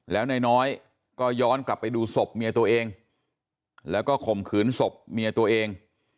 แล้วนายน้อยก็ย้อนกลับไปดูศพเมียตัวเองแล้วก็ข่มขืนศพเมียตัวเอง